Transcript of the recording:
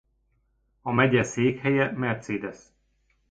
A megye székhelye Mercedes.